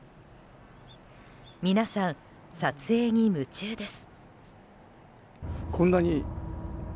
皆さん、撮影に夢中です。